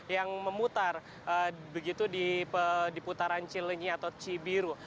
yang memutar begitu di putaran cilenyi atau cibiru